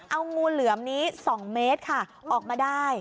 เอางูเหลือมนี้๒เมตรค่ะออกมาได้